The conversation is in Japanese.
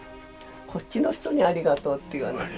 こっちの人に「ありがとう」って言わなきゃ。